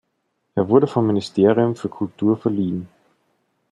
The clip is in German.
Er wurde vom Ministerium für Kultur verliehen.